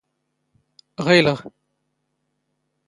ⵖⵉⵍⵖ.